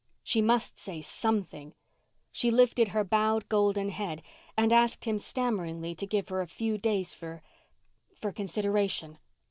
She must say something; she lifted her bowed golden head and asked him stammeringly to give her a few days for—for consideration.